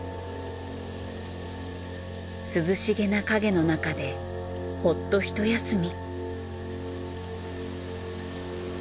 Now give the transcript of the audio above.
涼しげな影の中でほっとひと休み。